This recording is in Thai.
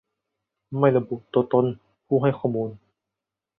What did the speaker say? ไม่ระบุตัวตนผู้ให้ข้อมูล